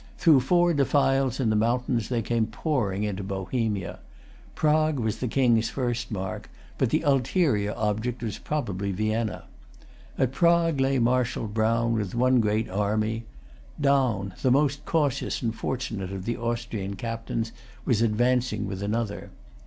Through four defiles in the mountains they came pouring into Bohemia. Prague was the King's first mark; but the ulterior object was probably Vienna. At Prague lay Marshal Brown with one great army. Daun, the most cautious and fortunate of the Austrian captains, was advancing with another.